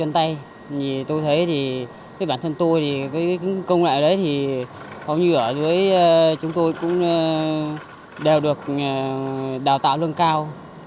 tôi thấy bản thân tôi công nghệ ở đấy hầu như ở dưới chúng tôi cũng đều được đào tạo lương cao